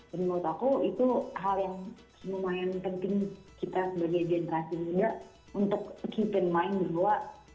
menurut aku itu hal yang lumayan penting kita sebagai generasi muda untuk keepen mind bahwa